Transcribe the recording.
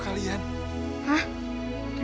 dia sedang banget pak